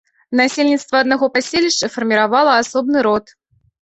Насельніцтва аднаго паселішча фарміравала асобны род.